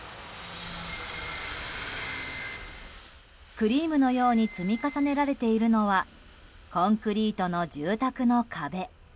クリームのように積み重ねられているのはコンクリートの住宅の壁。